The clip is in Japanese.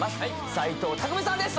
斎藤工さんです